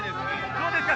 どうですか？